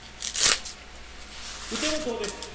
ウトロ港です。